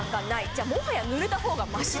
じゃあもはや濡れたほうがまし。